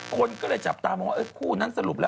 คนก็เลยจับตามองว่าคู่นั้นสรุปแล้ว